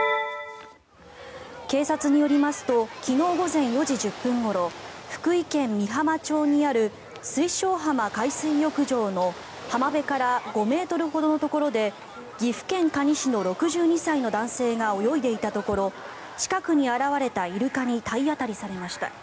警察によりますと昨日午前４時１０分ごろ福井県美浜町にある水晶浜海水浴場の浜辺から５ｍほどのところで岐阜県可児市の６２歳の男性が泳いでいたところ近くに現れたイルカに体当たりされました。